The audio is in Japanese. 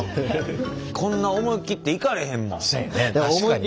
こんな思い切っていかれへんもん。